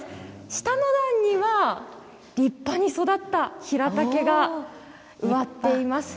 下の段には立派に育ったヒラタケが植わっています。